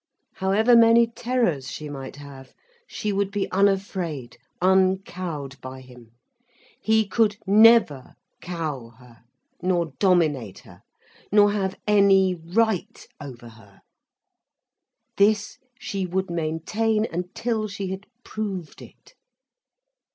However many terrors she might have, she would be unafraid, uncowed by him. He could never cow her, nor dominate her, nor have any right over her; this she would maintain until she had proved it.